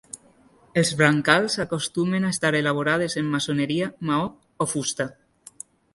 Els brancals acostumen a estar elaborades en maçoneria, maó o fusta.